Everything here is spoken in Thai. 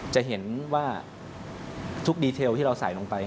จะเห็นว่าทุกดีเทลที่เราใส่ลงไป